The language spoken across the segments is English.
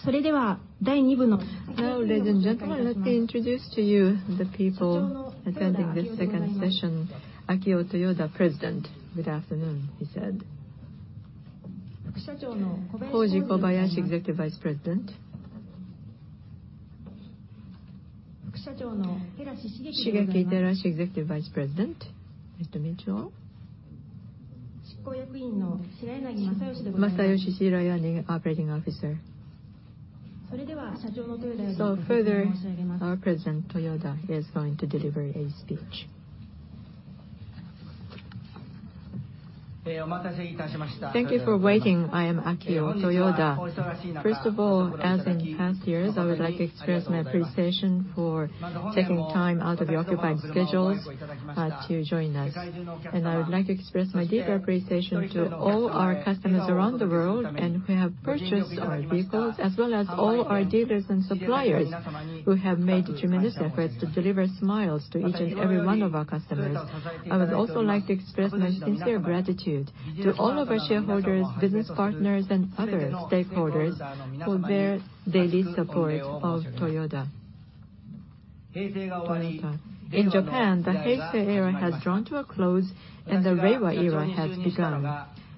Hello, ladies and gentlemen. Let me introduce to you the people attending this second session. Akio Toyoda, President. "Good afternoon," he said. Koji Kobayashi, Executive Vice President. Shigeaki Terashi, Executive Vice President. Nice to meet you all. Masayoshi Shirayanagi, Operating Officer. Further, our President Toyoda is going to deliver a speech. Thank you for waiting. I am Akio Toyoda. First of all, as in past years, I would like to express my appreciation for taking time out of your occupied schedules to join us. I would like to express my deep appreciation to all our customers around the world and who have purchased our vehicles, as well as all our dealers and suppliers, who have made tremendous efforts to deliver smiles to each and every one of our customers I would also like to express my sincere gratitude to all of our shareholders, business partners, and other stakeholders for their daily support of Toyota. Toyota. In Japan, the Heisei era has drawn to a close, and the Reiwa era has begun.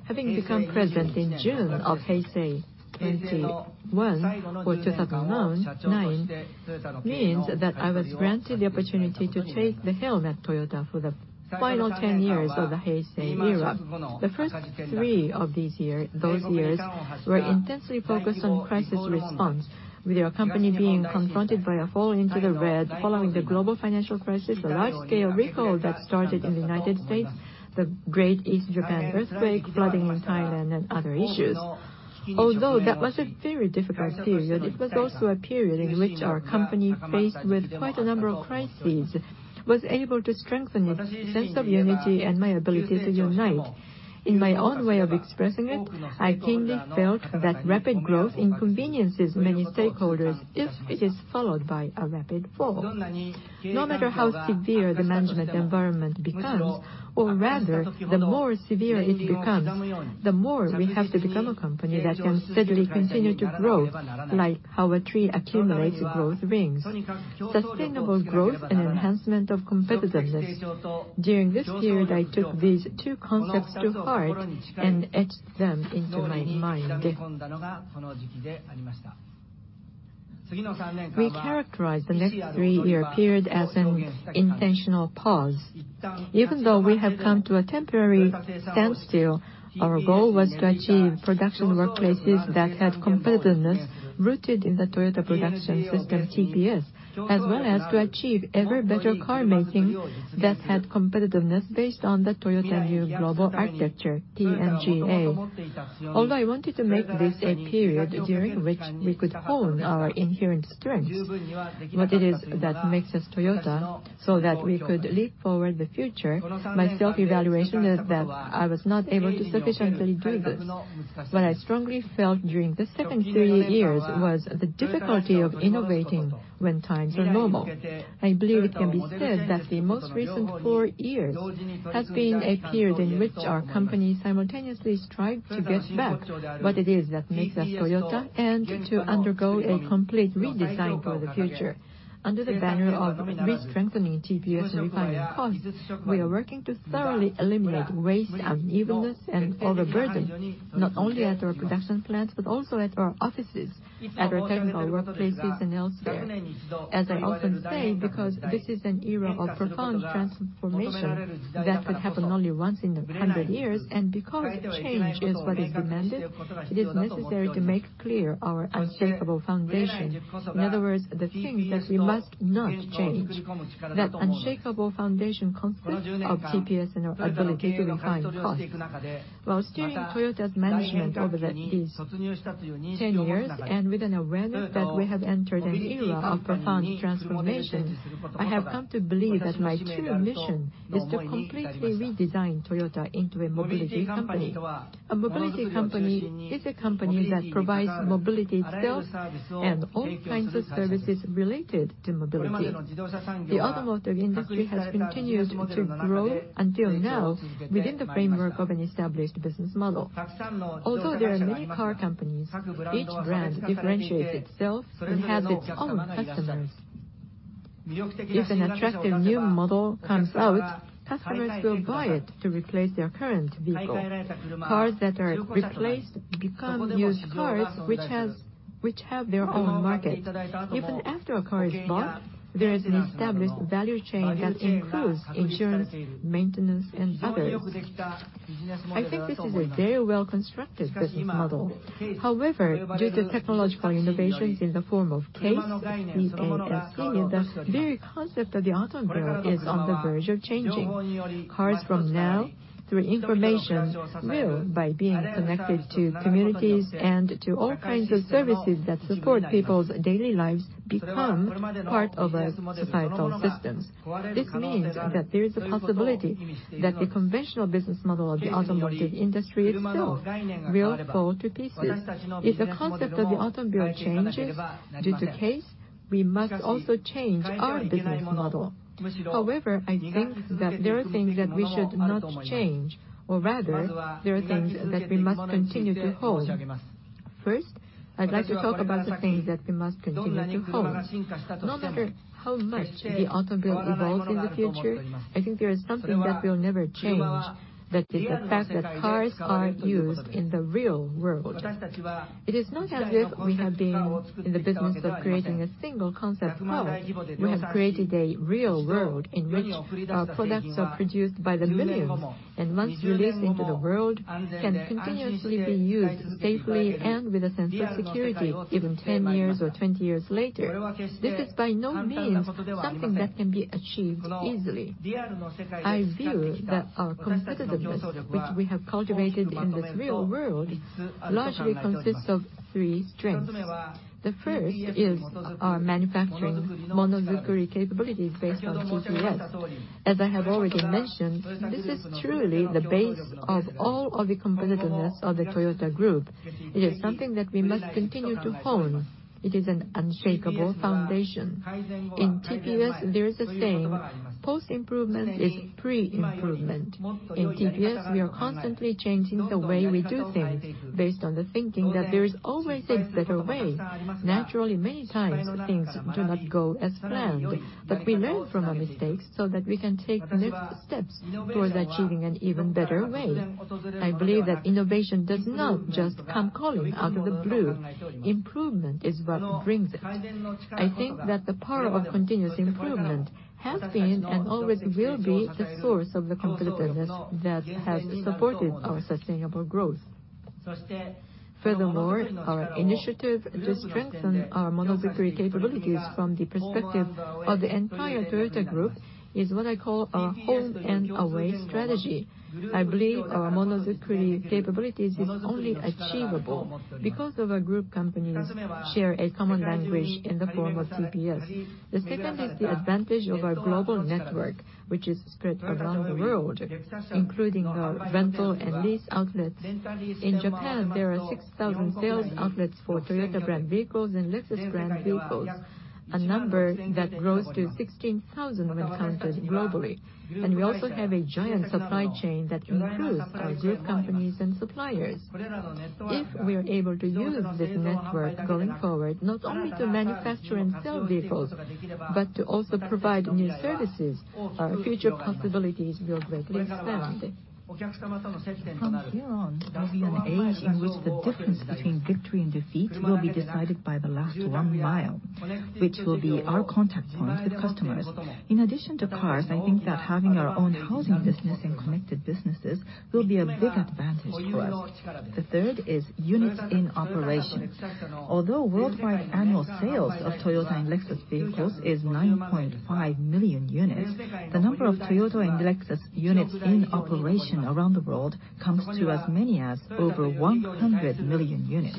Having become president in June of Heisei 21, or 2009, means that I was granted the opportunity to take the helm at Toyota for the final 10 years of the Heisei era. The first three of these year, those years, were intensely focused on crisis response, with our company being confronted by a fall into the red following the global financial crisis, the large-scale recall that started in the United States, the Great East Japan Earthquake, flooding in Thailand, and other issues. Although that was a very difficult period, it was also a period in which our company, faced with quite a number of crises, was able to strengthen its sense of unity and my ability to unite. In my own way of expressing it, I keenly felt that rapid growth inconveniences many stakeholders if it is followed by a rapid fall. No matter how severe the management environment becomes, or rather, the more severe it becomes, the more we have to become a company that can steadily continue to grow, like how a tree accumulates growth rings. Sustainable growth and enhancement of competitiveness. During this period, I took these two concepts to heart and etched them into my mind. We characterize the next three-year period as an intentional pause. Even though we have come to a temporary standstill, our goal was to achieve production workplaces that had competitiveness rooted in the Toyota Production System, TPS, as well as to achieve ever better car making that had competitiveness based on the Toyota New Global Architecture, TNGA. Although I wanted to make this a period during which we could hone our inherent strengths, what it is that makes us Toyota, so that we could leap forward the future, my self-evaluation is that I was not able to sufficiently do this. What I strongly felt during the second three years was the difficulty of innovating when times are normal. I believe it can be said that the most recent four years has been a period in which our company simultaneously strived to get back what it is that makes us Toyota, and to undergo a complete redesign for the future. Under the banner of re-strengthening TPS and refining costs, we are working to thoroughly eliminate waste, unevenness, and overburden, not only at our production plants, but also at our offices, at our technical workplaces, and elsewhere. As I often say, because this is an era of profound transformation that could happen only once in 100 years, and because change is what is demanded, it is necessary to make clear our unshakable foundation. In other words, the things that we must not change. That unshakable foundation consists of TPS and our ability to refine costs. While steering Toyota's management over these 10 years, and with an awareness that we have entered an era of profound transformation, I have come to believe that my true mission is to completely redesign Toyota into a mobility company. A mobility company is a company that provides mobility itself and all kinds of services related to mobility. The automotive industry has continued to grow until now within the framework of an established business model. Although there are many car companies, each brand differentiates itself and has its own customers. If an attractive new model comes out, customers will buy it to replace their current vehicle. Cars that are replaced become used cars, which has, which have their own market. Even after a car is bought, there is an established value chain that includes insurance, maintenance, and others. I think this is a very well-constructed business model. However, due to technological innovations in the form of CASE, C-A-S-E, the very concept of the automobile is on the verge of changing. Cars from now, through information, will, by being connected to communities and to all kinds of services that support people's daily lives, become part of a societal system. This means that there is a possibility that the conventional business model of the automotive industry itself will fall to pieces. If the concept of the automobile changes due to CASE..., we must also change our business model. However, I think that there are things that we should not change, or rather, there are things that we must continue to hold. First, I'd like to talk about the things that we must continue to hold. No matter how much the automobile evolves in the future, I think there is something that will never change. That is the fact that cars are used in the real world. It is not as if we have been in the business of creating a single concept car. We have created a real world in which our products are produced by the millions, and once released into the world, can continuously be used safely and with a sense of security, even 10 years or 20 years later. This is by no means something that can be achieved easily. I view that our competitiveness, which we have cultivated in this real world, largely consists of three strengths. The first is our manufacturing monozukuri capabilities based on TPS. As I have already mentioned, this is truly the base of all of the competitiveness of the Toyota Group. It is something that we must continue to hone. It is an unshakable foundation. In TPS, there is a saying, "Post-improvement is pre-improvement." In TPS, we are constantly changing the way we do things based on the thinking that there is always a better way. Naturally, many times things do not go as planned, but we learn from our mistakes so that we can take the next steps towards achieving an even better way. I believe that innovation does not just come calling out of the blue. Improvement is what brings it. I think that the power of continuous improvement has been, and always will be, the source of the competitiveness that has supported our sustainable growth. Furthermore, our initiative to strengthen our monozukuri capabilities from the perspective of the entire Toyota Group is what I call our home and away strategy. I believe our monozukuri capabilities is only achievable because of our group companies share a common language in the form of TPS. The second is the advantage of our global network, which is spread around the world, including our rental and lease outlets. In Japan, there are 6,000 sales outlets for Toyota brand vehicles and Lexus brand vehicles, a number that grows to 16,000 when counted globally. We also have a giant supply chain that includes our group companies and suppliers. If we are able to use this network going forward, not only to manufacture and sell vehicles, but to also provide new services, our future possibilities will greatly expand. From here on, is an age in which the difference between victory and defeat will be decided by the last one mile, which will be our contact point with customers. In addition to cars, I think that having our own housing business and connected businesses will be a big advantage for us. The third is units in operation. Although worldwide annual sales of Toyota and Lexus vehicles is 9.5 million units, the number of Toyota and Lexus units in operation around the world comes to as many as over 100 million units.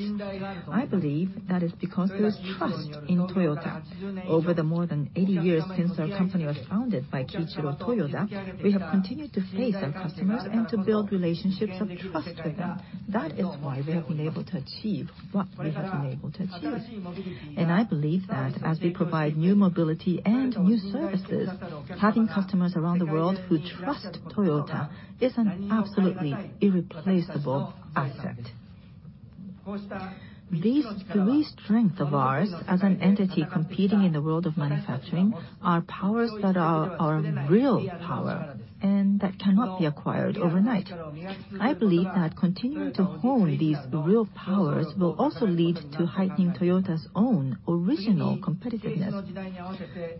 I believe that is because there's trust in Toyota. Over the more than 80 years since our company was founded by Kiichiro Toyoda, we have continued to face our customers and to build relationships of trust with them. That is why we have been able to achieve what we have been able to achieve. And I believe that as we provide new mobility and new services, having customers around the world who trust Toyota is an absolutely irreplaceable asset. These three strengths of ours, as an entity competing in the world of manufacturing, are powers that are our real power and that cannot be acquired overnight. I believe that continuing to hone these real powers will also lead to heightening Toyota's own original competitiveness.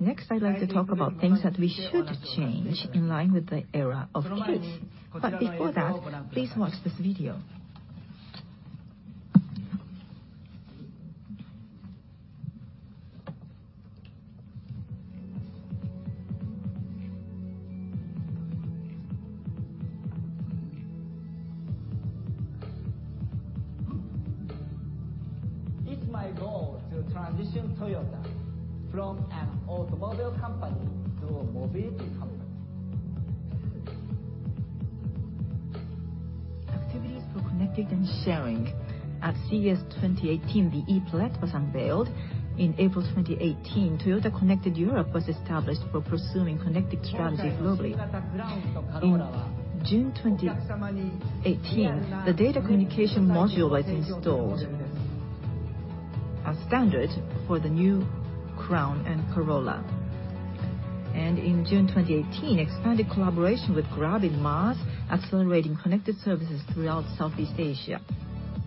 Next, I'd like to talk about things that we should change in line with the era of CASE. But before that, please watch this video. It's my goal to transition Toyota from an automobile company to a mobility company. Activities for connected and sharing. At CES 2018, the e-Palette was unveiled. In April 2018, Toyota Connected Europe was established for pursuing connected strategies globally. In June 2018, the data communication module was installed as standard for the new Crown and Corolla. In June 2018, expanded collaboration with Grab in MaaS, accelerating connected services throughout Southeast Asia.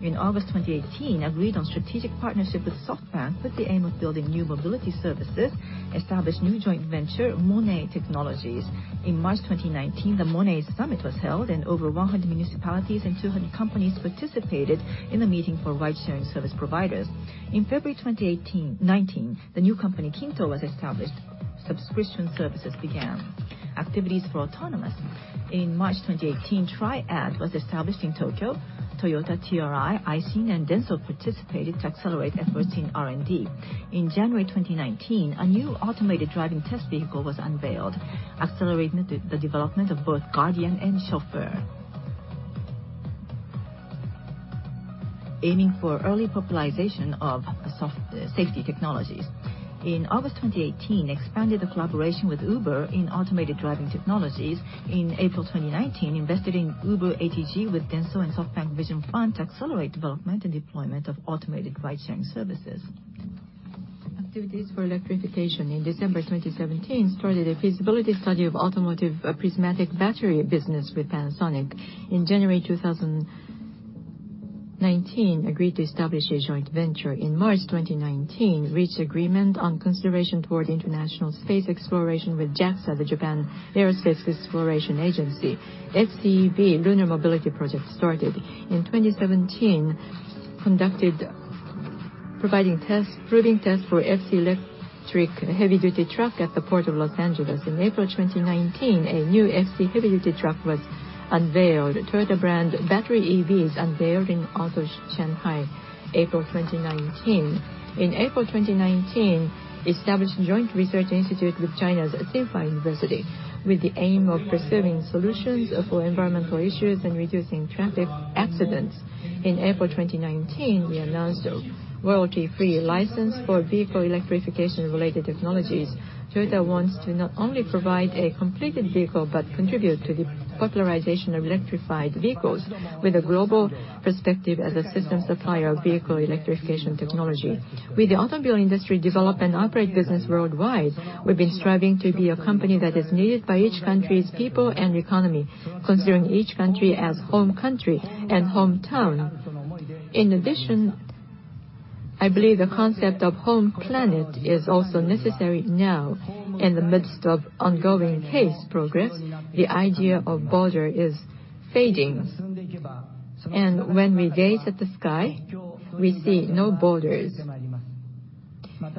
In August 2018, agreed on strategic partnership with SoftBank with the aim of building new mobility services, established new joint venture, MONET Technologies. In March 2019, the MONET Summit was held, and over 100 municipalities and 200 companies participated in the meeting for ride-sharing service providers. In February 2019, the new company, KINTO, was established. Subscription services began. Activities for autonomous. In March 2018, TRI-AD was established in Tokyo. Toyota, TRI, Aisin, and Denso participated to accelerate efforts in R&D. In January 2019, a new automated driving test vehicle was unveiled, accelerating the development of both Guardian and Chauffeur, aiming for early popularization of software safety technologies. In August 2018, expanded the collaboration with Uber in automated driving technologies. In April 2019, invested in Uber ATG with Denso and SoftBank Vision Fund to accelerate development and deployment of automated ridesharing services. Activities for electrification. In December 2017, started a feasibility study of automotive prismatic battery business with Panasonic. In January 2019, agreed to establish a joint venture. In March 2019, reached agreement on consideration toward international space exploration with JAXA, the Japan Aerospace Exploration Agency. FCEV lunar mobility project started. In 2017, conducted proving test for FC electric heavy-duty truck at the Port of Los Angeles. In April 2019, a new FC heavy-duty truck was unveiled. Toyota brand battery EVs unveiled in Auto Shanghai, April 2019. In April 2019, established a joint research institute with China's Tsinghua University, with the aim of pursuing solutions for environmental issues and reducing traffic accidents. In April 2019, we announced a royalty-free license for vehicle electrification-related technologies. Toyota wants to not only provide a completed vehicle, but contribute to the popularization of electrified vehicles with a global perspective as a system supplier of vehicle electrification technology. With the automobile industry, develop and operate business worldwide, we've been striving to be a company that is needed by each country's people and economy, considering each country as home country and hometown. In addition, I believe the concept of home planet is also necessary now. In the midst of ongoing CASE progress, the idea of border is fading, and when we gaze at the sky, we see no borders.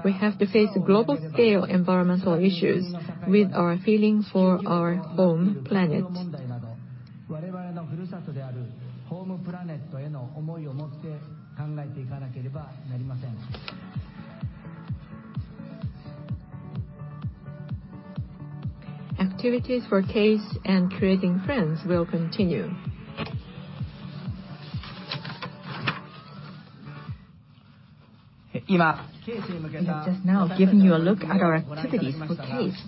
We have to face global-scale environmental issues with our feeling for our home planet. Activities for CASE and creating friends will continue. We have just now given you a look at our activities for CASE.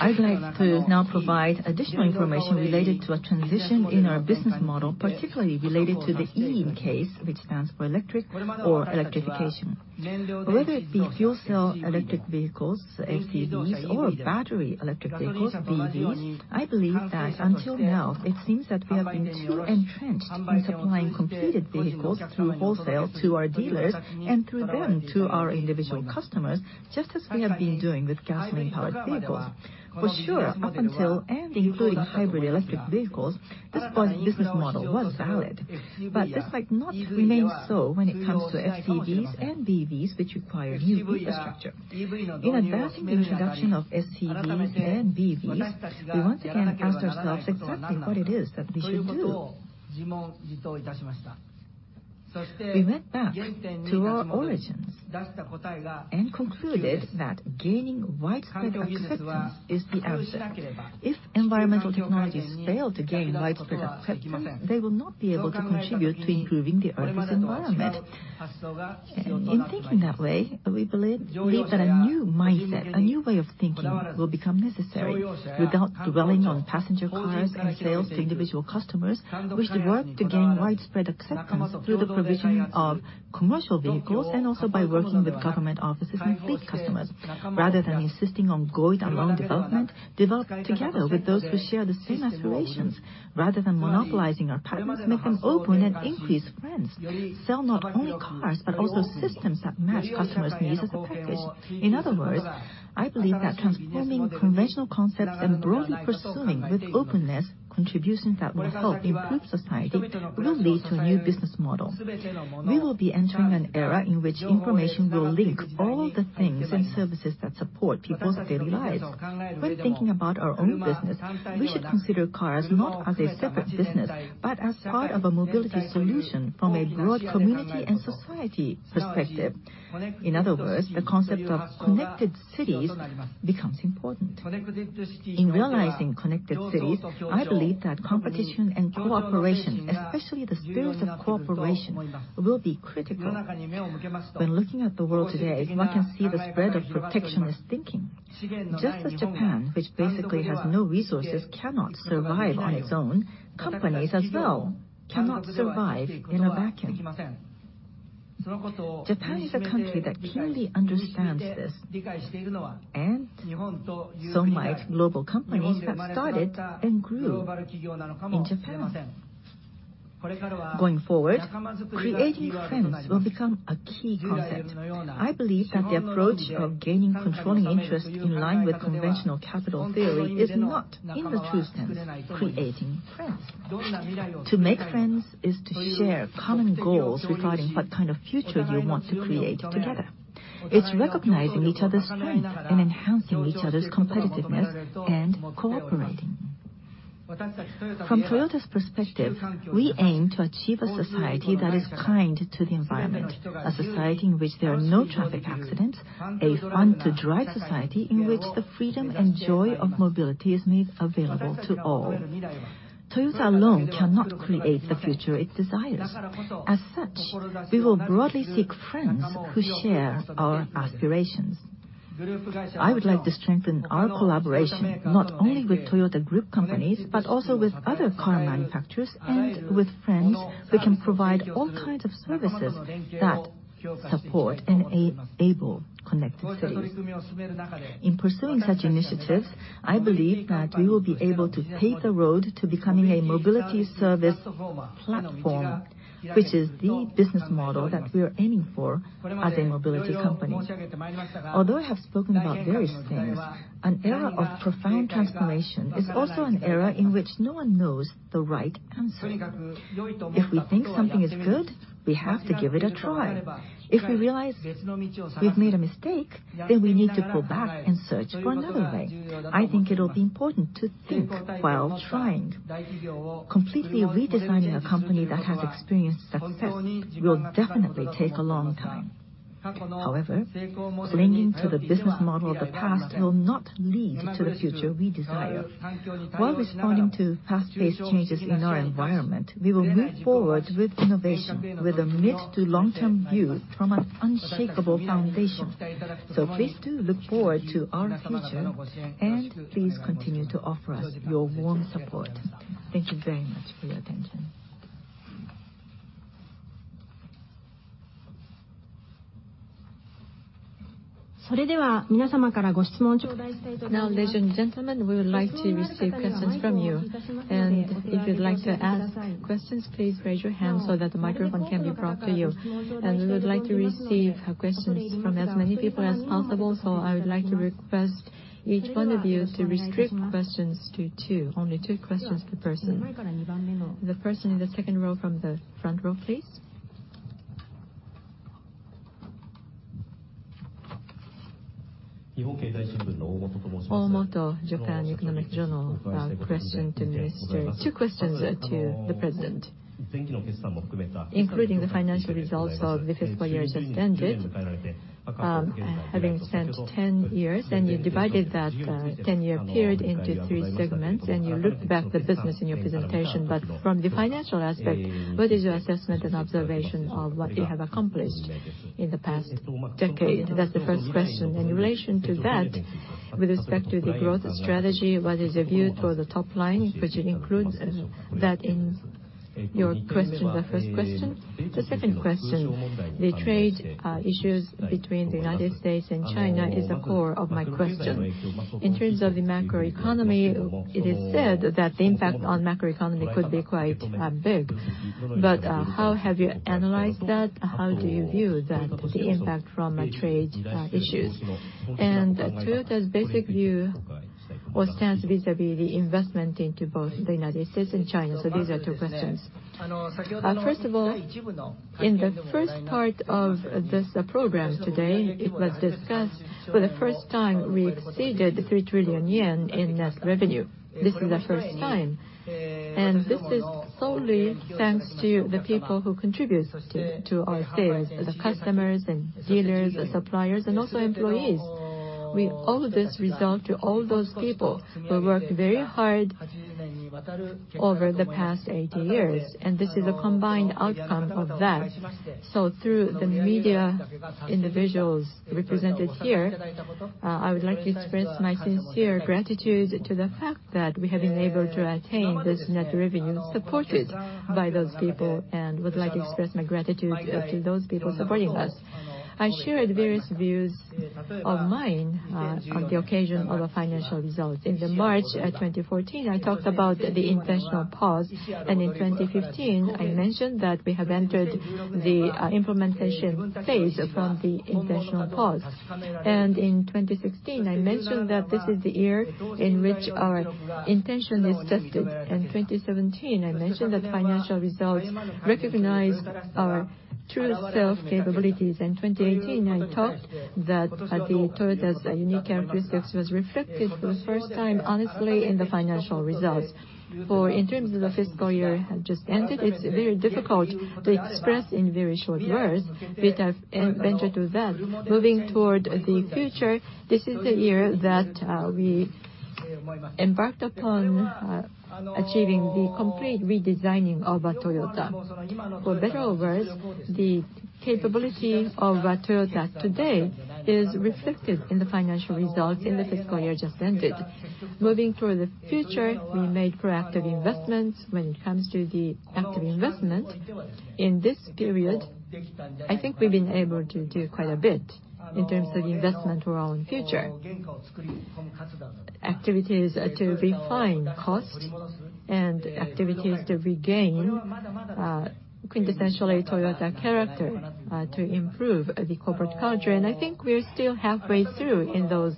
I'd like to now provide additional information related to a transition in our business model, particularly related to the E in CASE, which stands for electric or electrification. Whether it be fuel cell electric vehicles, FCEVs, or battery electric vehicles, BEVs, I believe that until now, it seems that we have been too entrenched in supplying completed vehicles through wholesale to our dealers, and through them to our individual customers, just as we have been doing with gasoline-powered vehicles. For sure, up until and including hybrid electric vehicles, this business model was valid, but this might not remain so when it comes to FCEVs and BEVs, which require new infrastructure. In advancing the introduction of FCEVs and BEVs, we once again asked ourselves exactly what it is that we should do. We went back to our origins and concluded that gaining widespread acceptance is the answer. If environmental technologies fail to gain widespread acceptance, they will not be able to contribute to improving the Earth's environment. In thinking that way, we believe, believe that a new mindset, a new way of thinking, will become necessary. Without dwelling on passenger cars and sales to individual customers, we should work to gain widespread acceptance through the provisioning of commercial vehicles and also by working with government offices and fleet customers. Rather than insisting on going it alone development, develop together with those who share the same aspirations. Rather than monopolizing our partners, make them open and increase friends. Sell not only cars, but also systems that match customers' needs as a package. In other words, I believe that transforming conventional concepts and broadly pursuing with openness, contributions that will help improve society, will lead to a new business model. We will be entering an era in which information will link all the things and services that support people's daily lives. When thinking about our own business, we should consider cars not as a separate business, but as part of a mobility solution from a broad community and society perspective. In other words, the concept of connected cities becomes important. In realizing connected cities, I believe that competition and cooperation, especially the spirit of cooperation, will be critical. When looking at the world today, one can see the spread of protectionist thinking. Just as Japan, which basically has no resources, cannot survive on its own, companies as well cannot survive in a vacuum. Japan is a country that keenly understands this, and so might global companies have started and grew in Japan. Going forward, creating friends will become a key concept. I believe that the approach of gaining controlling interest in line with conventional capital theory is not, in the true sense, creating friends. To make friends is to share common goals regarding what kind of future you want to create together. It's recognizing each other's strength and enhancing each other's competitiveness and cooperating. From Toyota's perspective, we aim to achieve a society that is kind to the environment, a society in which there are no traffic accidents, a fun-to-drive society in which the freedom and joy of mobility is made available to all. Toyota alone cannot create the future it desires. As such, we will broadly seek friends who share our aspirations... I would like to strengthen our collaboration, not only with Toyota group companies, but also with other car manufacturers, and with friends who can provide all kinds of services that support and enable connected cities. In pursuing such initiatives, I believe that we will be able to pave the road to becoming a mobility service platform, which is the business model that we are aiming for as a mobility company. Although I have spoken about various things, an era of profound transformation is also an era in which no one knows the right answer. If we think something is good, we have to give it a try. If we realize we've made a mistake, then we need to go back and search for another way. I think it'll be important to think while trying. Completely redesigning a company that has experienced success will definitely take a long time. However, clinging to the business model of the past will not lead to the future we desire. While responding to fast-paced changes in our environment, we will move forward with innovation, with a mid to long-term view from an unshakable foundation. So please do look forward to our future, and please continue to offer us your warm support. Thank you very much for your attention. Now, ladies and gentlemen, we would like to receive questions from you, and if you'd like to ask questions, please raise your hand so that the microphone can be brought to you. We would like to receive questions from as many people as possible, so I would like to request each one of you to restrict questions to two, only two questions per person. The person in the second row from the front row, please. Omoto, Japan Economic Journal, question to Minister. Two questions to the president. Including the financial results of the fiscal year just ended, having spent 10 years, and you divided that 10-year period into three segments, and you looked back the business in your presentation. But from the financial aspect, what is your assessment and observation of what you have accomplished in the past decade? That's the first question. In relation to that, with respect to the growth strategy, what is your view toward the top line, which includes that in your question, the first question? The second question, the trade issues between the United States and China is the core of my question. In terms of the macroeconomy, it is said that the impact on macroeconomy could be quite big. But how have you analyzed that? How do you view that, the impact from the trade, issues? And Toyota's basic view or stance vis-à-vis the investment into both the United States and China. So these are two questions. First of all, in the first part of this, program today, it was discussed for the first time we exceeded 3 trillion yen in net revenue. This is the first time, and this is solely thanks to the people who contribute to, to our sales, the customers and dealers, suppliers, and also employees. We owe this result to all those people who worked very hard over the past 80 years, and this is a combined outcome of that. Through the media individuals represented here, I would like to express my sincere gratitude to the fact that we have been able to attain this net revenue supported by those people, and would like to express my gratitude to those people supporting us. I shared various views of mine on the occasion of our financial results. In the March 2014, I talked about the intentional pause, and in 2015, I mentioned that we have entered the implementation phase from the intentional pause. In 2016, I mentioned that this is the year in which our intention is tested. In 2017, I mentioned that financial results recognized our true self capabilities. In 2018, I talked that Toyota's unique characteristics was reflected for the first time honestly in the financial results. For in terms of the fiscal year that just ended, it's very difficult to express in very short words, but, venture to that. Moving toward the future, this is the year that we embarked upon achieving the complete redesigning of Toyota. For better or worse, the capability of Toyota today is reflected in the financial results in the fiscal year just ended. Moving toward the future, we made proactive investments. When it comes to the active investment, in this period, I think we've been able to do quite a bit in terms of the investment for our own future. Activities to refine costs and activities to regain quintessentially Toyota character to improve the corporate culture, and I think we're still halfway through in those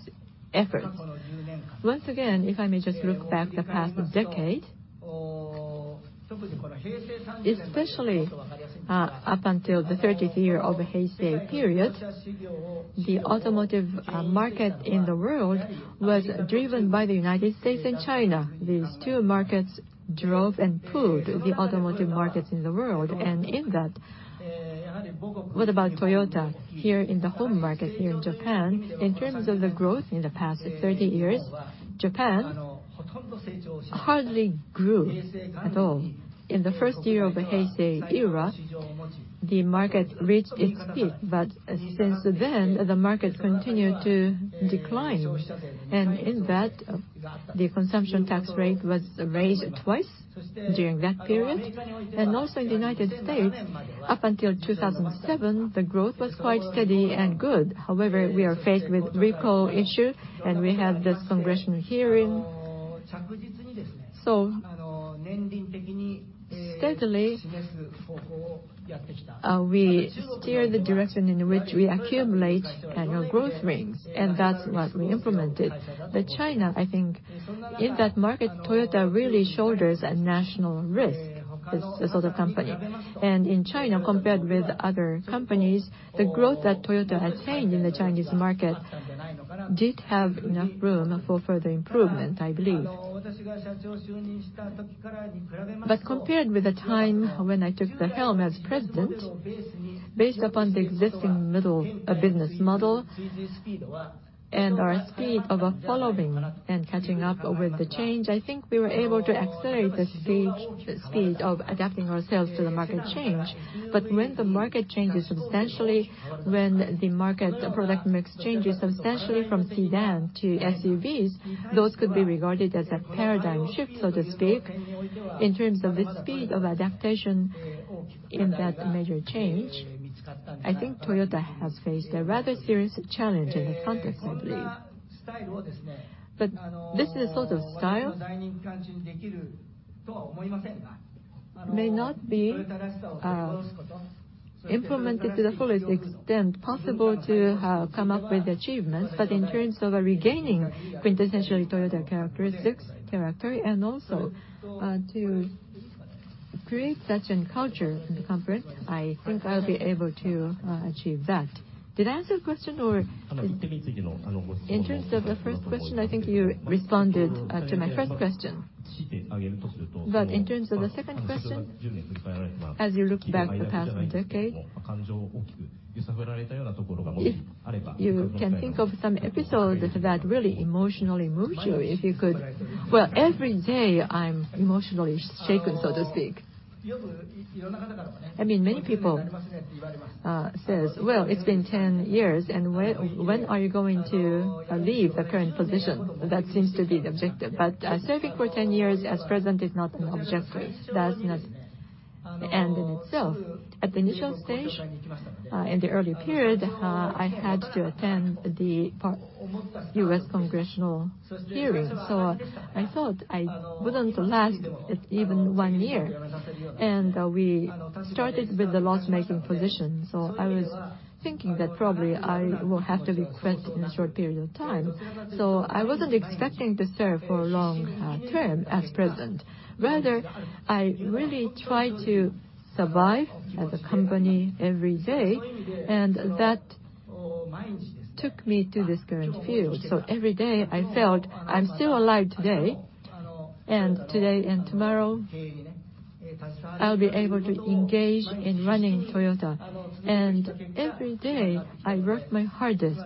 efforts. Once again, if I may just look back the past decade... Especially, up until the 30th year of the Heisei period, the automotive market in the world was driven by the United States and China. These two markets drove and pulled the automotive markets in the world, and in that, what about Toyota here in the home market, here in Japan? In terms of the growth in the past 30 years, Japan hardly grew at all. In the first year of the Heisei era, the market reached its peak, but since then, the market continued to decline. In that, the consumption tax rate was raised twice during that period. Also in the United States, up until 2007, the growth was quite steady and good. However, we are faced with recall issue, and we had this congressional hearing. So steadily, we steer the direction in which we accumulate annual growth rates, and that's what we implemented. But China, I think, in that market, Toyota really shoulders a national risk, as a company. And in China, compared with other companies, the growth that Toyota had attained in the Chinese market did have enough room for further improvement, I believe. But compared with the time when I took the helm as president, based upon the existing middle business model and our speed of following and catching up with the change, I think we were able to accelerate the speed of adapting ourselves to the market change. But when the market changes substantially, when the market product mix changes substantially from sedan to SUVs, those could be regarded as a paradigm shift, so to speak. In terms of the speed of adaptation in that major change, I think Toyota has faced a rather serious challenge in the front, I believe. But this sort of style may not be implemented to the fullest extent possible to come up with achievements. But in terms of regaining quintessentially Toyota characteristics, character, and also to create such a culture in the company, I think I'll be able to achieve that. Did I answer your question, or? In terms of the first question, I think you responded to my first question. But in terms of the second question, as you look back the past decade, if you can think of some episodes that really emotionally moved you, if you could? Well, every day, I'm emotionally shaken, so to speak. I mean, many people says, "Well, it's been 10 years, and when are you going to leave the current position? That seems to be the objective." But serving for 10 years as president is not an objective. That's not an end in itself. At the initial stage, in the early period, I had to attend the U.S. congressional hearing, so I thought I wouldn't last even one year. And we started with a loss-making position, so I was thinking that probably I will have to request in a short period of time. So I wasn't expecting to serve for a long term as president. Rather, I really tried to survive as a company every day, and that took me to this current field. So every day, I felt I'm still alive today, and today and tomorrow, I'll be able to engage in running Toyota. Every day, I worked my hardest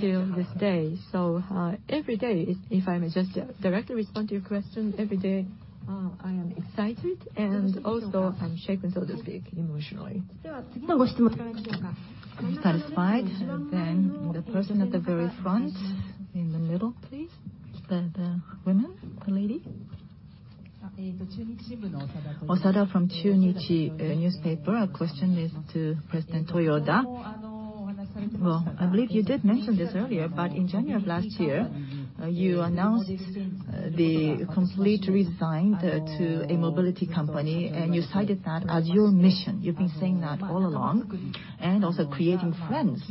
till this day. So, every day, if I may just directly respond to your question, every day, I am excited, and also I'm shaken, so to speak, emotionally. Satisfied. Then the person at the very front, in the middle, please. The woman, the lady. Osada from Chunichi Shimbun. My question is to President Toyoda. Well, I believe you did mention this earlier, but in January of last year, you announced the complete redesign to a mobility company, and you cited that as your mission. You've been saying that all along, and also creating friends,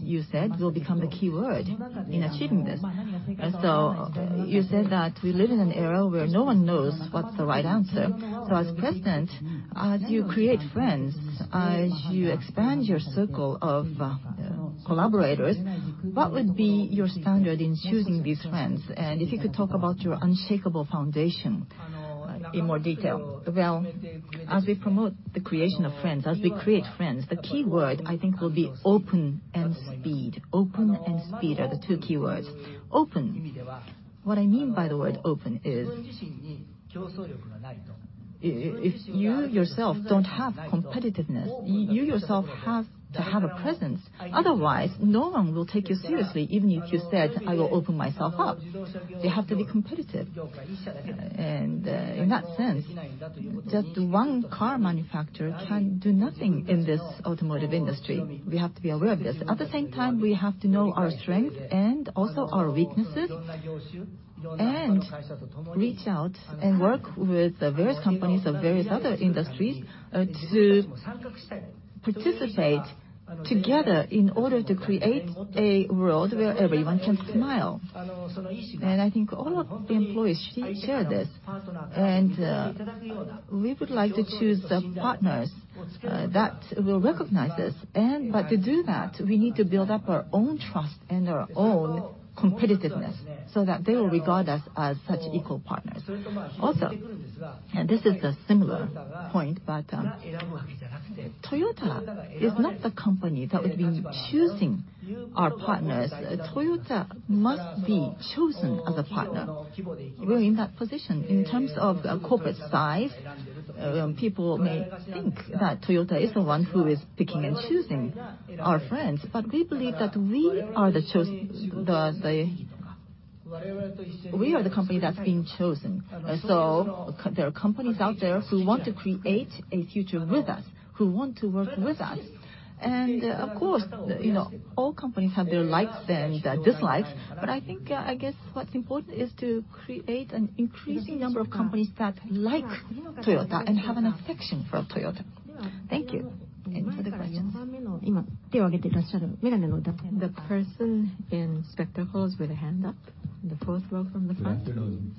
you said, will become the key word in achieving this. So you said that we live in an era where no one knows what's the right answer. So as president, as you create friends, as you expand your circle of collaborators, what would be your standard in choosing these friends? And if you could talk about your unshakable foundation in more detail. Well, as we promote the creation of friends, as we create friends, the key word, I think, will be open and speed. Open and speed are the two key words. Open, what I mean by the word open is, if you yourself don't have competitiveness, you yourself have to have a presence. Otherwise, no one will take you seriously, even if you said, "I will open myself up." You have to be competitive. And, in that sense, just one car manufacturer can do nothing in this automotive industry. We have to be aware of this. At the same time, we have to know our strengths and also our weaknesses, and reach out and work with the various companies of various other industries, to participate together in order to create a world where everyone can smile. I think all of the employees should share this, and we would like to choose the partners that will recognize this. But to do that, we need to build up our own trust and our own competitiveness, so that they will regard us as such equal partners. Also, this is a similar point, but Toyota is not the company that would be choosing our partners. Toyota must be chosen as a partner. We're in that position. In terms of corporate size, people may think that Toyota is the one who is picking and choosing our friends, but we believe that we are the chosen. We are the company that's being chosen. So there are companies out there who want to create a future with us, who want to work with us. Of course, you know, all companies have their likes and their dislikes, but I think, I guess what's important is to create an increasing number of companies that like Toyota and have an affection for Toyota. Thank you. Any further questions? The person in spectacles with a hand up, in the fourth row from the front. Good afternoon.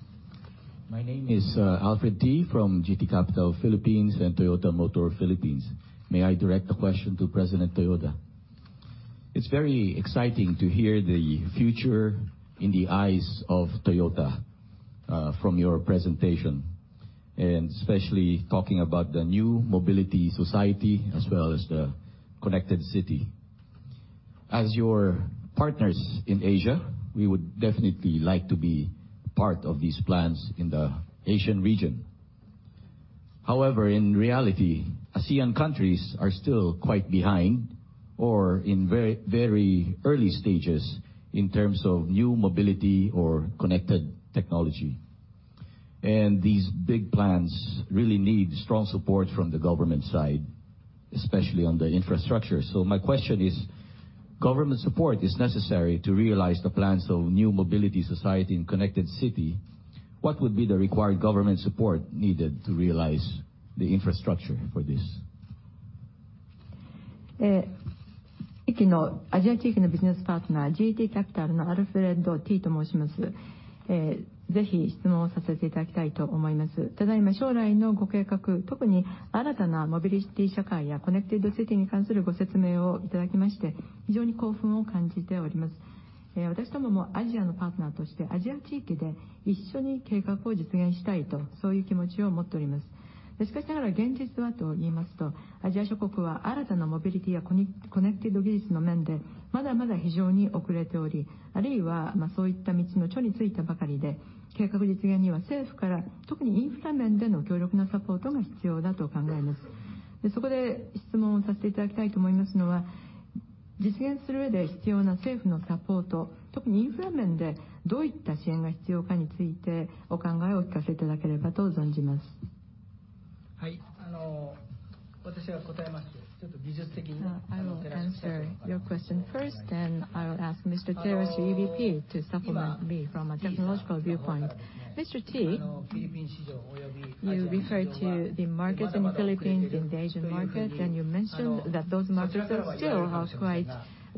My name is Alfred Ty from GT Capital, Philippines, and Toyota Motor Philippines. May I direct a question to President Toyoda? It's very exciting to hear the future in the eyes of Toyota from your presentation, and especially talking about the new mobility society as well as the connected city. As your partners in Asia, we would definitely like to be part of these plans in the Asian region. However, in reality, ASEAN countries are still quite behind or in very, very early stages in terms of new mobility or connected technology. And these big plans really need strong support from the government side, especially on the infrastructure. So my question is, government support is necessary to realize the plans of new mobility society and connected city. What would be the required government support needed to realize the infrastructure for this? I will answer your question first, then I will ask Mr. Terashi, EVP, to supplement me from a technological viewpoint. Mr. Ty, you referred to the markets in the Philippines, in the Asian market, and you mentioned that those markets are still quite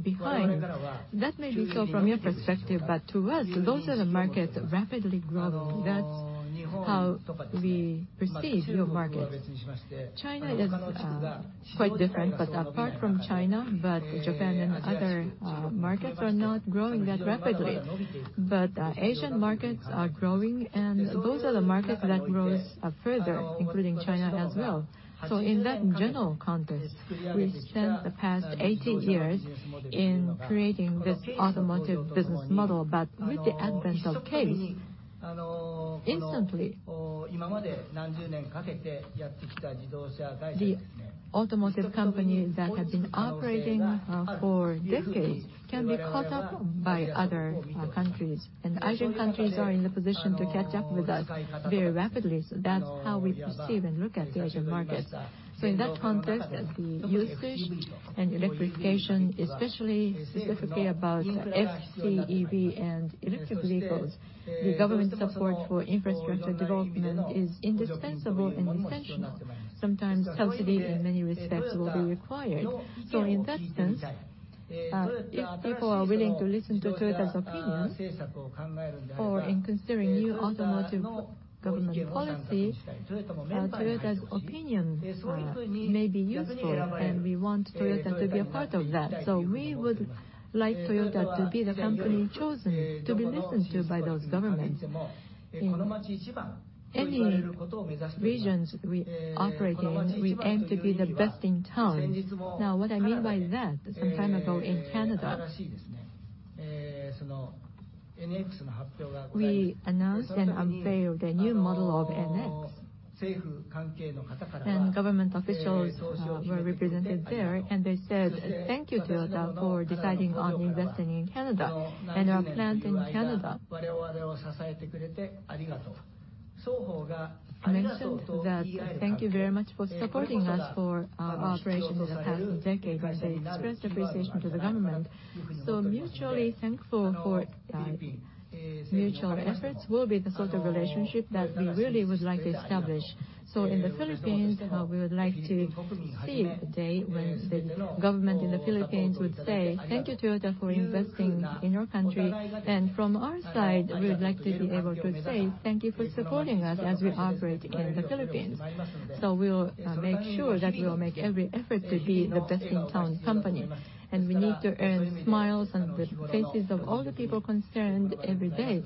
behind. That may be so from your perspective, but to us, those are the markets rapidly growing. That's how we perceive your markets. China is quite different, but apart from China, Japan and other markets are not growing that rapidly. But Asian markets are growing, and those are the markets that grows further, including China as well. So in that general context, we've spent the past 80 years in creating this automotive business model. But with the advent of CASE, instantly, the automotive companies that have been operating for decades can be caught up by other countries. Asian countries are in the position to catch up with us very rapidly, so that's how we perceive and look at the Asian markets. So in that context, the usage and electrification, especially specifically about FCEV and electric vehicles, the government support for infrastructure development is indispensable and essential. Sometimes subsidies in many respects will be required. So in that sense, if people are willing to listen to Toyota's opinion for in considering new automotive government policy, Toyota's opinions may be useful, and we want Toyota to be a part of that. So we would like Toyota to be the company chosen to be listened to by those governments. In any regions we operate in, we aim to be the best in town. Now, what I mean by that, some time ago in Canada, we announced and unveiled a new model of NX. And government officials were represented there, and they said, "Thank you, Toyota, for deciding on investing in Canada and our plant in Canada." Mentioned that, "Thank you very much for supporting us for our operations in the past decade," and they expressed appreciation to the government. So mutually thankful for mutual efforts will be the sort of relationship that we really would like to establish. So in the Philippines, we would like to see the day when the government in the Philippines would say, "Thank you, Toyota, for investing in our country." And from our side, we would like to be able to say, "Thank you for supporting us as we operate in the Philippines." So we'll make sure that we will make every effort to be the best-in-town company, and we need to earn smiles on the faces of all the people concerned every day.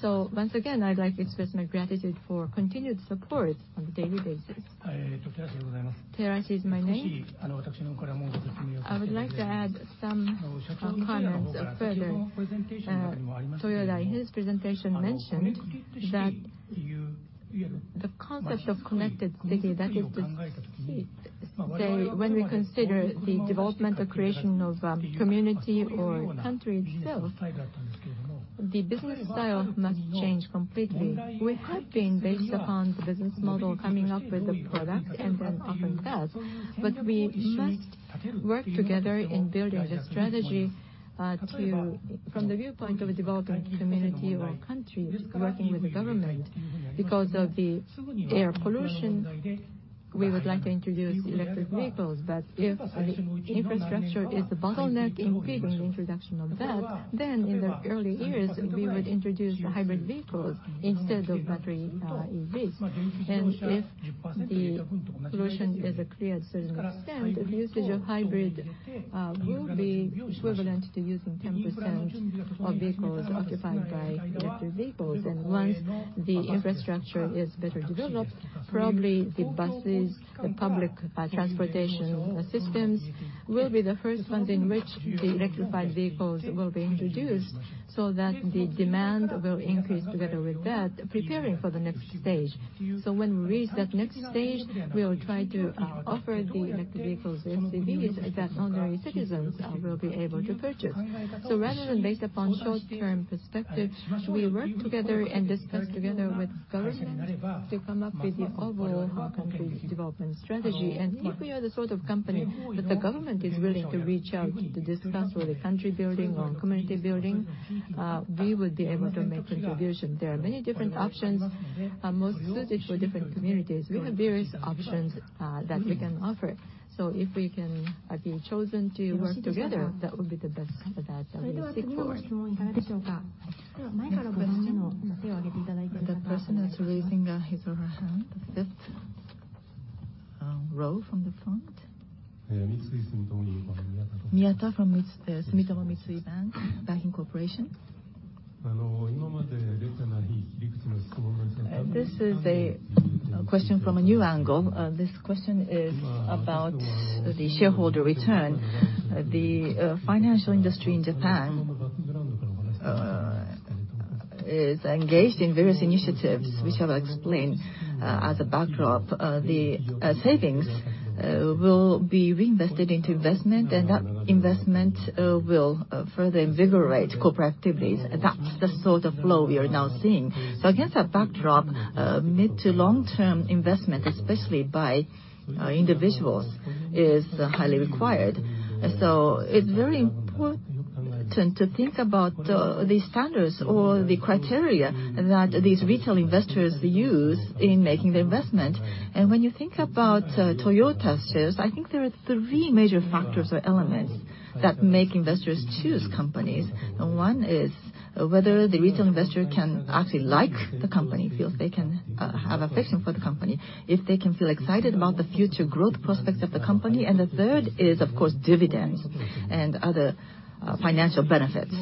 So once again, I'd like to express my gratitude for continued support on a daily basis. Terashi is my name. I would like to add some comments of further Toyoda, in his presentation, mentioned that... The concept of connected city, that is to say, when we consider the development or creation of, community or country itself, the business style must change completely. We have been based upon the business model, coming up with a product and then offering that, but we must work together in building a strategy, from the viewpoint of a developing community or country, working with the government. Because of the air pollution, we would like to introduce electric vehicles, but if the infrastructure is a bottleneck impeding the introduction of that, then in the early years, we would introduce the hybrid vehicles instead of battery EVs. And if the pollution is cleared to a certain extent, the usage of hybrid will be equivalent to using 10% of vehicles occupied by electric vehicles. Once the infrastructure is better developed, probably the buses, the public transportation systems will be the first ones in which the electrified vehicles will be introduced, so that the demand will increase together with that, preparing for the next stage. When we reach that next stage, we will try to offer the electric vehicles, the EVs, that ordinary citizens will be able to purchase. Rather than based upon short-term perspective, we work together and discuss together with government to come up with the overall country's development strategy. If we are the sort of company that the government is willing to reach out to discuss with the country building or community building, we would be able to make contribution. There are many different options most suited for different communities. We have various options that we can offer. If we can be chosen to work together, that would be the best that we would seek for. The person that's raising his hand, fifth row from the front. Yeah, Sumitomo Mitsui, Miyata. Miyata from Sumitomo Mitsui Banking Corporation. This is a question from a new angle. This question is about the shareholder return. The financial industry in Japan is engaged in various initiatives, which I will explain as a backdrop. The savings will be reinvested into investment, and that investment will further invigorate corporate activities. That's the sort of flow we are now seeing. So against that backdrop, mid- to long-term investment, especially by individuals, is highly required. So it's very important to think about the standards or the criteria that these retail investors use in making the investment. And when you think about Toyota shares, I think there are three major factors or elements that make investors choose companies. One is whether the retail investor can actually like the company, feels they can have affection for the company. If they can feel excited about the future growth prospects of the company. The third is, of course, dividends and other financial benefits.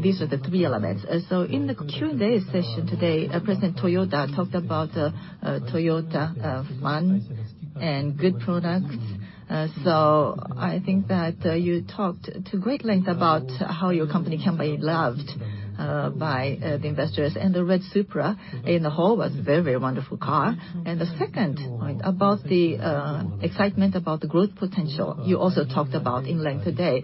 These are the three elements. So in the Q&A session today, President Toyoda talked about Toyota fun and good products. So I think that you talked to great length about how your company can be loved by the investors. The red Supra in the hall was a very, very wonderful car. The second point, about the excitement about the growth potential, you also talked about in length today.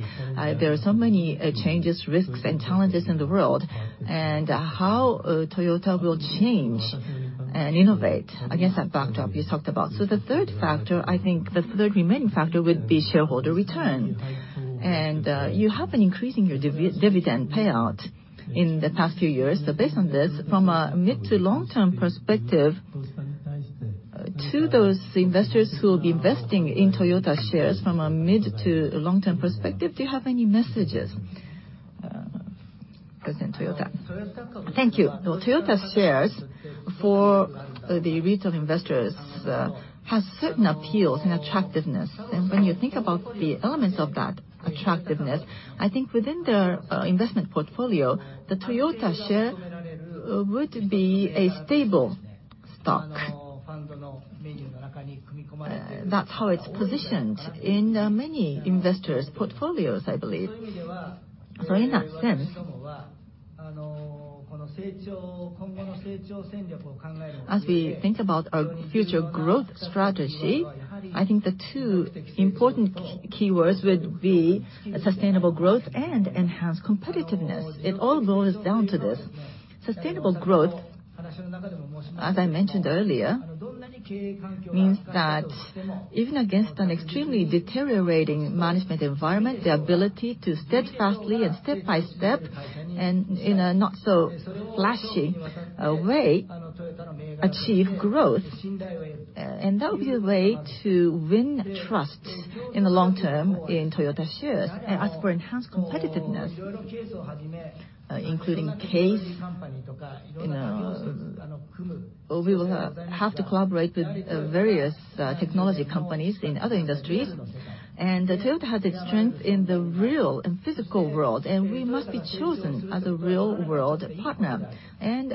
There are so many changes, risks and challenges in the world, and how Toyota will change and innovate against that backdrop you talked about. So the third factor, I think the third remaining factor would be shareholder return. You have been increasing your dividend payout in the past few years. Based on this, from a mid- to long-term perspective, to those investors who will be investing in Toyota shares from a mid- to long-term perspective, do you have any messages, President Toyoda? Thank you. Toyota shares for, the retail investors, has certain appeals and attractiveness. And when you think about the elements of that attractiveness, I think within their, investment portfolio, the Toyota share would be a stable stock. That's how it's positioned in, many investors' portfolios, I believe. So in that sense, as we think about our future growth strategy, I think the two important key, keywords would be sustainable growth and enhanced competitiveness. It all boils down to this. Sustainable growth, as I mentioned earlier, means that even against an extremely deteriorating management environment, the ability to steadfastly and step by step, and in a not so flashy, way, achieve growth. And that will be a way to win trust in the long term in Toyota shares. And as for enhanced competitiveness, including CASE, you know, we will have to collaborate with various technology companies in other industries. And Toyota has its strength in the real and physical world, and we must be chosen as a real-world partner. And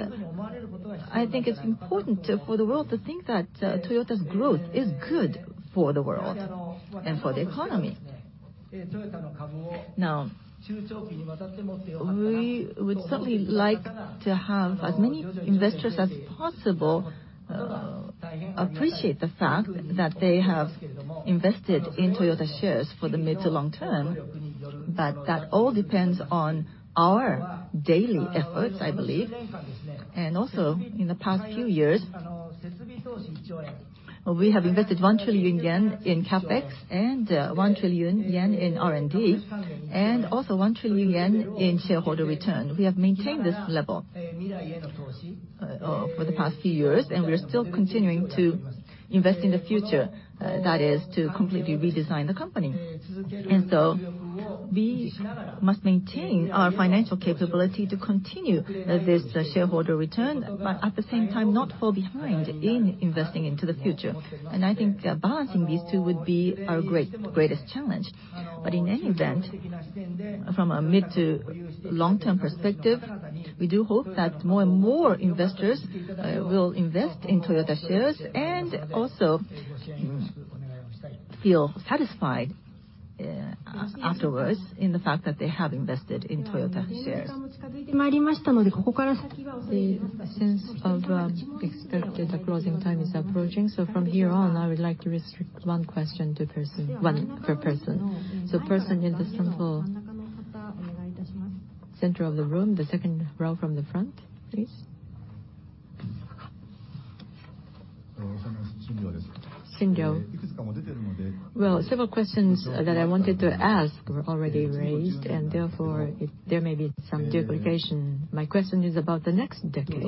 I think it's important for the world to think that Toyota's growth is good for the world and for the economy. Now, we would certainly like to have as many investors as possible appreciate the fact that they have invested in Toyota shares for the mid to long term, but that all depends on our daily efforts, I believe. And also, in the past few years, we have invested 1 trillion yen in CapEx, and 1 trillion yen in R&D, and also 1 trillion yen in shareholder return. We have maintained this level for the past few years, and we are still continuing to invest in the future, that is to completely redesign the company. And so we must maintain our financial capability to continue this shareholder return, but at the same time, not fall behind in investing into the future. And I think balancing these two would be our greatest challenge. But in any event, from a mid to long-term perspective, we do hope that more and more investors will invest in Toyota shares, and also feel satisfied afterwards in the fact that they have invested in Toyota shares. The sense of expected the closing time is approaching, so from here on, I would like to restrict one question to person, one per person. So person in the front row, center of the room, the second row from the front, please. Shinjyo. Shinjyo. Well, several questions that I wanted to ask were already raised, and therefore, there may be some duplication. My question is about the next decade.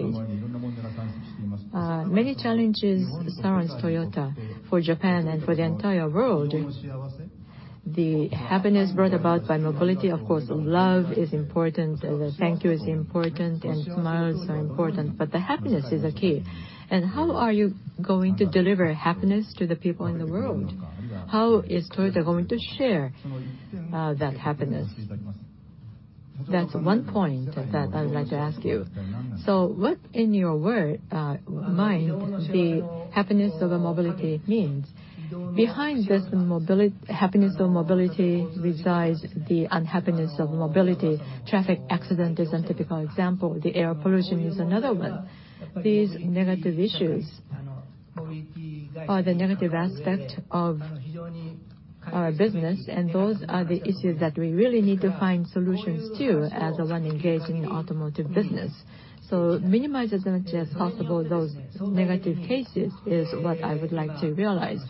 Many challenges surrounds Toyota for Japan and for the entire world. The happiness brought about by mobility, of course, love is important, and thank you is important, and smiles are important, but the happiness is the key. And how are you going to deliver happiness to the people in the world? How is Toyota going to share, that happiness? That's one point that I would like to ask you. So what in your word, mind, the happiness of mobility means? Behind this happiness of mobility resides the unhappiness of mobility. Traffic accident is an typical example. The air pollution is another one. These negative issues are the negative aspect of our business, and those are the issues that we really need to find solutions to as the one engaged in the automotive business. So minimize as much as possible those negative cases is what I would like to realize.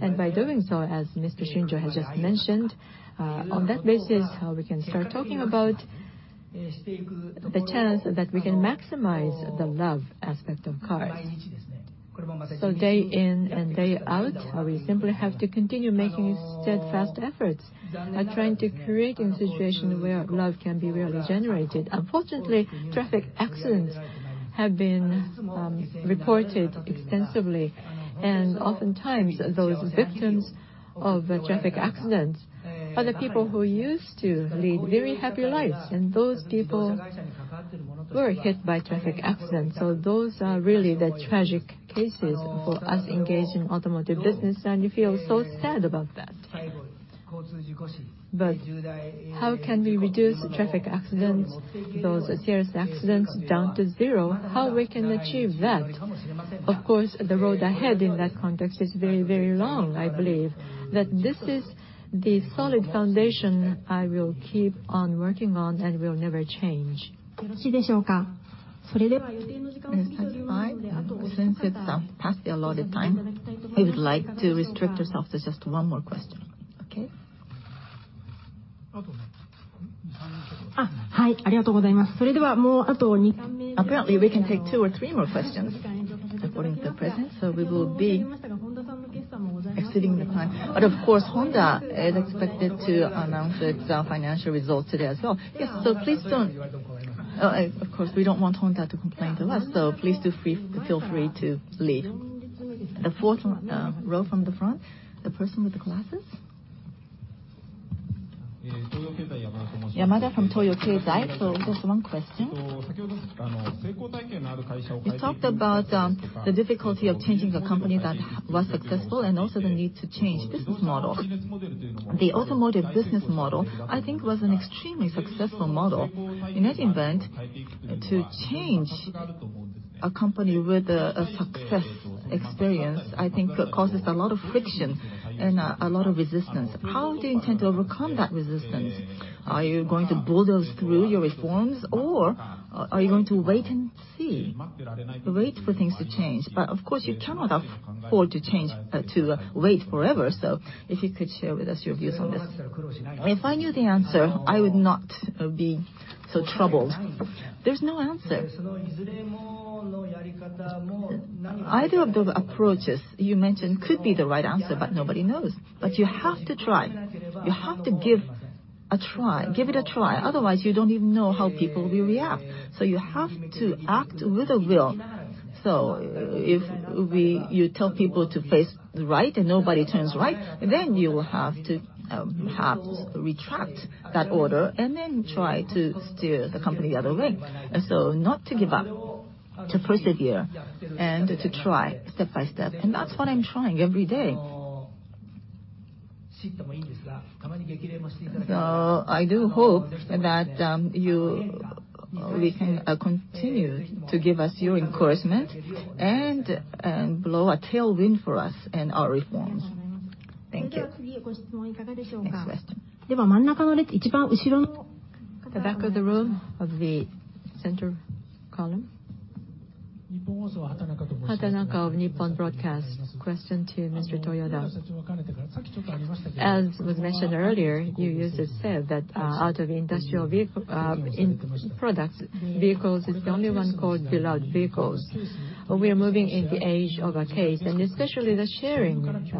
And by doing so, as Mr. Shinjyo has just mentioned, on that basis, how we can start talking about the chance that we can maximize the love aspect of cars. So day in and day out, we simply have to continue making steadfast efforts at trying to create a situation where love can be really generated. Unfortunately, traffic accidents have been reported extensively, and oftentimes, those victims of traffic accidents are the people who used to lead very happy lives, and those people were hit by traffic accidents. So those are really the tragic cases for us engaged in automotive business, and you feel so sad about that. But how can we reduce traffic accidents, those serious accidents, down to zero? How we can achieve that? Of course, the road ahead in that context is very, very long, I believe. That this is the solid foundation I will keep on working on and will never change. Is that fine? Since it's past the allotted time, we would like to restrict ourselves to just one more question. Okay? Ah, hi. Apparently, we can take two or three more questions according to the president, so we will be exceeding the time. But of course, Honda is expected to announce its financial results today as well. Yes, so please don't... Of course, we don't want Honda to complain to us, so please do feel free to leave. The fourth row from the front, the person with the glasses. Yamada from Toyo Keizai. So just one question. You talked about the difficulty of changing a company that was successful and also the need to change business model. The automotive business model, I think, was an extremely successful model. In that event, to change a company with a success experience, I think causes a lot of friction and a lot of resistance. How do you intend to overcome that resistance? Are you going to bulldoze through your reforms, or are you going to wait and see? Wait for things to change. But of course, you cannot afford to wait forever, so if you could share with us your views on this. If I knew the answer, I would not be so troubled. There's no answer. Either of the approaches you mentioned could be the right answer, but nobody knows. But you have to try. You have to give a try, give it a try, otherwise, you don't even know how people will react. So you have to act with a will. So if we, you tell people to face right and nobody turns right, then you will have to, perhaps retract that order and then try to steer the company the other way. And so not to give up.... to persevere and to try step by step, and that's what I'm trying every day. So I do hope that, you, we can, continue to give us your encouragement and, and blow a tailwind for us in our reforms. Thank you. Next question. The back of the room, of the center column. Hatanaka of Nippon Broadcasting System. Question to Mr. Toyoda. As was mentioned earlier, you used to say that, out of industrial vehicle, in products, vehicles is the only one called beloved vehicles. We are moving in the age of CASE, and especially the sharing looms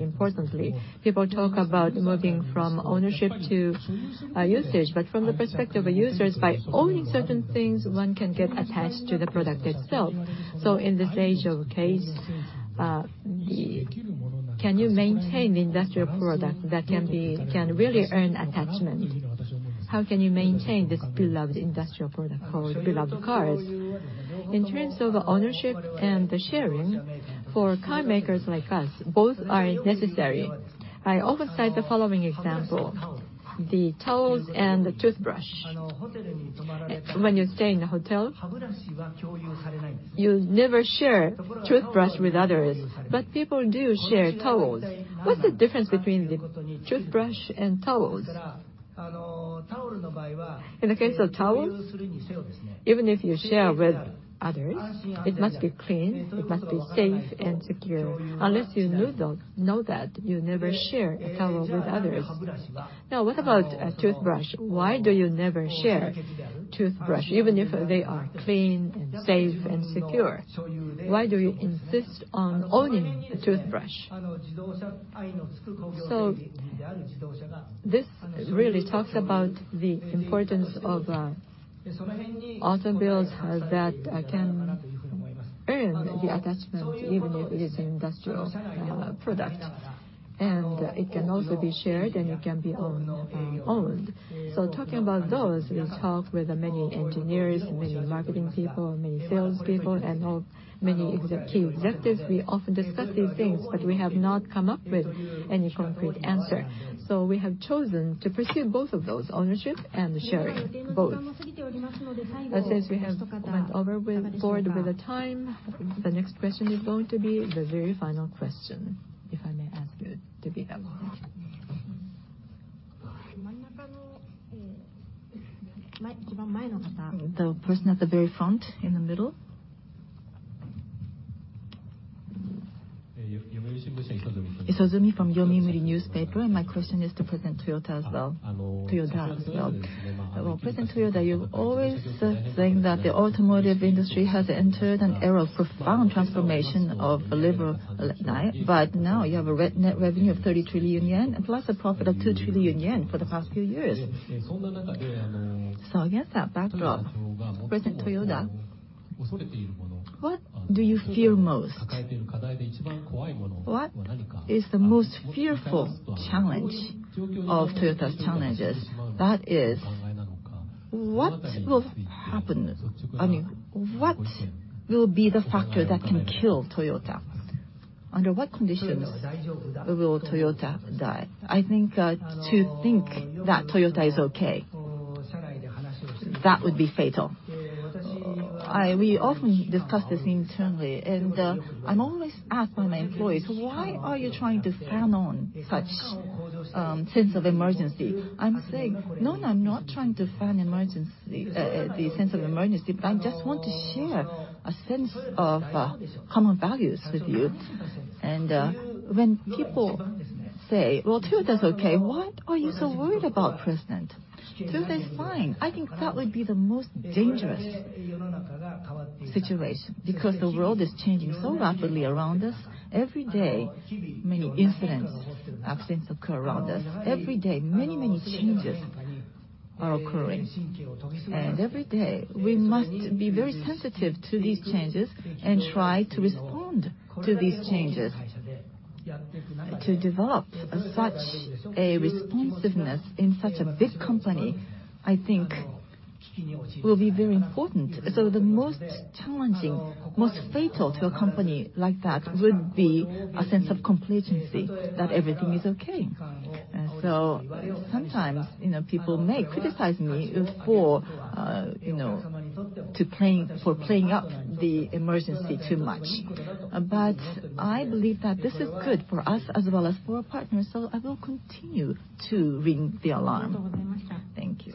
importantly. People talk about moving from ownership to usage, but from the perspective of users, by owning certain things, one can get attached to the product itself. So in this age of CASE, can you maintain the industrial product that can be, can really earn attachment? How can you maintain this beloved industrial product called beloved cars? In terms of the ownership and the sharing, for car makers like us, both are necessary. I often cite the following example, the towels and the toothbrush. When you stay in a hotel, you never share toothbrush with others, but people do share towels. What's the difference between the toothbrush and towels? In the case of towels, even if you share with others, it must be clean, it must be safe and secure. Unless you knew those, know that, you never share a towel with others. Now, what about a toothbrush? Why do you never share toothbrush even if they are clean and safe and secure? Why do you insist on owning a toothbrush? So this really talks about the importance of, automobiles, that can earn the attachment, even if it is an industrial, product, and it can also be shared, and it can be own, owned. So talking about those, we talk with many engineers, many marketing people, many sales people, and all, many key executives. We often discuss these things, but we have not come up with any concrete answer. So we have chosen to pursue both of those, ownership and sharing, both. It says we have went over with the board over time. The next question is going to be the very final question, if I may ask it to be that one. The person at the very front in the middle. Isozumi from Yomiuri Shimbun, and my question is to President Toyoda as well, Toyoda as well. Well, President Toyoda, you're always saying that the automotive industry has entered an era of profound transformation of labor. But now you have a net revenue of 30 trillion yen, plus a profit of 2 trillion yen for the past few years. So against that backdrop, President Toyoda, what do you fear most? What is the most fearful challenge of Toyota's challenges? That is, what will happen? I mean, what will be the factor that can kill Toyota? Under what conditions will Toyota die? I think, to think that Toyota is okay, that would be fatal. I, we often discuss this internally, and I'm always asked by my employees, "Why are you trying to fan on such, sense of emergency?" I'm saying, "No, I'm not trying to fan emergency, the sense of emergency, but I just want to share a sense of, common values with you." And, when people say, "Well, Toyota's okay. Why are you so worried about, President? Toyota is fine." I think that would be the most dangerous situation, because the world is changing so rapidly around us. Every day, many incidents, accidents occur around us. Every day, many, many changes are occurring. And every day, we must be very sensitive to these changes and try to respond to these changes. To develop such a responsiveness in such a big company, I think, will be very important. So the most challenging, most fatal to a company like that would be a sense of complacency, that everything is okay. And so sometimes, you know, people may criticize me for, you know, to playing, for playing up the emergency too much. But I believe that this is good for us as well as for our partners, so I will continue to ring the alarm. Thank you.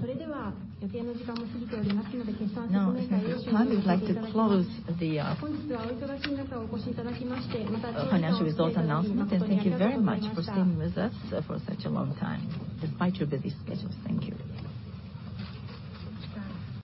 Now, since this time, we'd like to close the financial result announcement, and thank you very much for staying with us for such a long time, despite your busy schedules. Thank you.